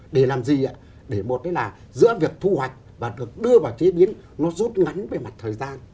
để làm gì để một là giữa việc thu hoạch và được đưa vào chế biến nó rút ngắn về mặt thời gian